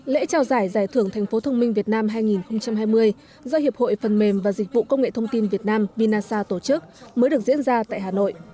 lễ trao giải giải thưởng thành phố thông minh việt nam hai nghìn hai mươi do hiệp hội phần mềm và dịch vụ công nghệ thông tin việt nam vinasa tổ chức mới được diễn ra tại hà nội